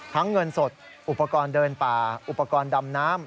เงินสดอุปกรณ์เดินป่าอุปกรณ์ดำน้ำ